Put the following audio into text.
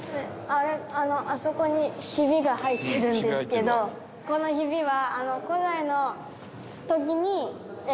あれあそこにヒビが入ってるんですけどこのヒビは。